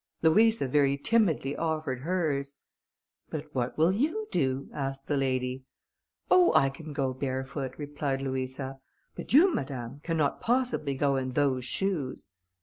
Louisa very timidly offered hers. "But what will you do?" asked the lady. "Oh, I can go barefoot," replied Louisa; "but you, madam, cannot possibly go in those shoes."